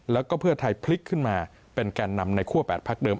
แล้วก็เพื่อไทยพลิกขึ้นมาเป็นแก่นำในคั่ว๘พักเดิม